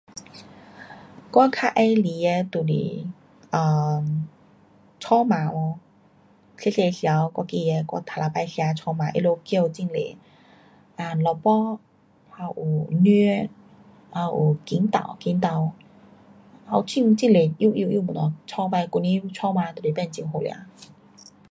我较喜欢的就是 um 我记得第一次吃++加很多萝卜，叶，还有金豆，金豆还有很多幼幼的